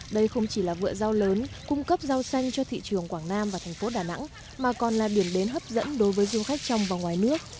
đây không chỉ là vựa rau lớn cung cấp rau xanh cho thị trường quảng nam và thành phố đà nẵng mà còn là điểm đến hấp dẫn đối với du khách trong và ngoài nước